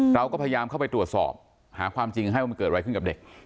เราก็พยายามเข้าไปตรวจสอบหาความจริงให้ว่ามันเกิดอะไรขึ้นกับเด็ก